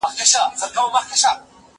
زه کولای سم انځور وګورم،